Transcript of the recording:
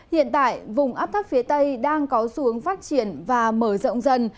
hiện tại vùng áp thấp phía tây đang có xu hướng phát triển và mở rộng dần